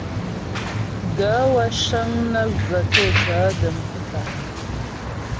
Gaə̌ wə́ cə́ŋ nə́ və tsô tsaə̌ də̀m pípà.